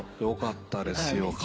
よかったですよ。